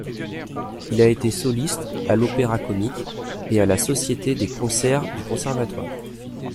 Il a été soliste à l'Opéra-Comique et à la Société des concerts du Conservatoire.